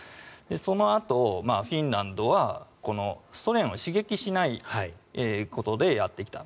そのあとフィンランドはソ連を刺激しないことでやってきた。